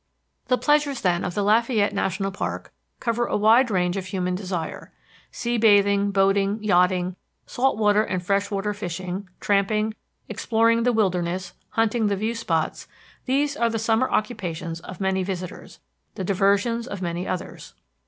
The pleasures, then, of the Lafayette National Park cover a wide range of human desire. Sea bathing, boating, yachting, salt water and fresh water fishing, tramping, exploring the wilderness, hunting the view spots these are the summer occupations of many visitors, the diversions of many others.